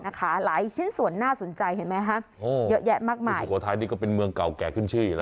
หลายชิ้นส่วนน่าสนใจเห็นไหมฮะเยอะแยะมากมายสุโขทัยนี่ก็เป็นเมืองเก่าแก่ขึ้นชื่ออยู่นะ